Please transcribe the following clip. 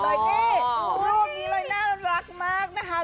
นี่รูปนี้เลยน่ารักมากนะคะ